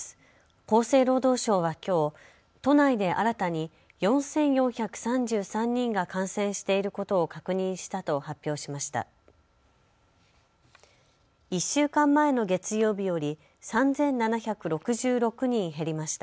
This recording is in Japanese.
厚生労働省はきょう都内で新たに４４３３人が感染していることを確認したと発表しました。